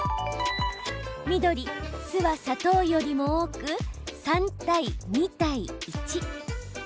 緑・酢は砂糖よりも多く３対２対１。